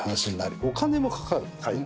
お金もかかるんですね。